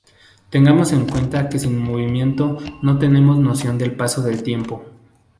Tengamos en cuenta que sin movimiento no tenemos noción del paso del tiempo.